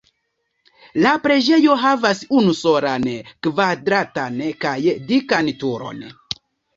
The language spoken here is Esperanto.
La preĝejo havas unusolan kvadratan kaj dikan turon.